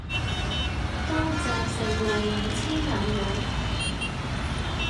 多謝盛惠五千大洋